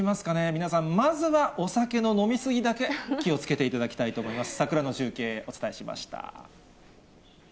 皆さん、まずはお酒の飲み過ぎだけ気をつけていただきたいと思います。